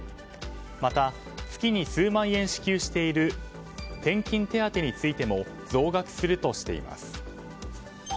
また、月に数万円支給している転勤手当についても増額するとしています。